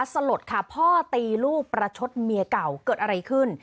สลดค่ะพ่อตีลูกประชดเมียเก่าเกิดอะไรขึ้น